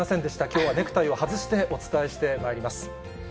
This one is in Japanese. きょうはネクタイを外してお伝えしてまいります。